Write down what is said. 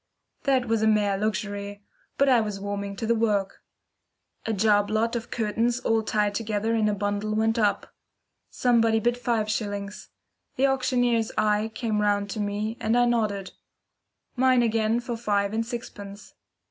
That was a mere luxury, but I was warming to the work. A job lot of curtains all tied together in a bundle went up. Somebody bid five shillings. The auctioneer's eye came round to me, and I nodded. Mine again for five and sixpence.